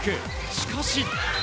しかし。